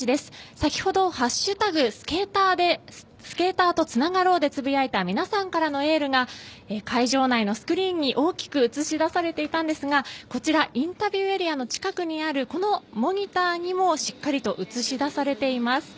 先ほど「＃スケーターとつながろう」でつぶやいた皆さんからのエールが会場内のスクリーンに大きく映し出されていたんですがこちらインタビューエリアの近くにあるこのモニターにもしっかりと映し出されています。